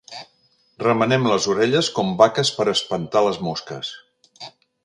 Remenem les orelles com vaques per espantar les mosques.